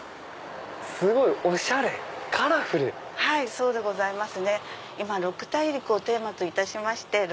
そうでございます。